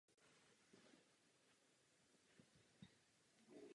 Dá se poměrně snadno rozlišit.